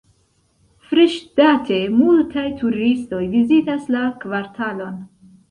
Freŝdate, multaj turistoj vizitas la kvartalon.